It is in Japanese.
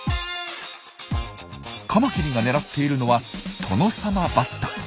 カマキリが狙っているのはトノサマバッタ。